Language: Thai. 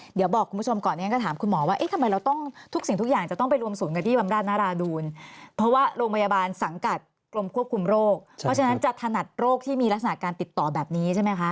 เดี๋ยวบอกคุณผู้ชมก่อนเรียนก็ถามคุณหมอว่าเอ๊ะทำไมเราต้องทุกสิ่งทุกอย่างจะต้องไปรวมศูนย์กันที่บำราชนราดูลเพราะว่าโรงพยาบาลสังกัดกรมควบคุมโรคเพราะฉะนั้นจะถนัดโรคที่มีลักษณะการติดต่อแบบนี้ใช่ไหมคะ